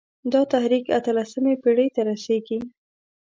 دا تحریک اته لسمې پېړۍ ته رسېږي.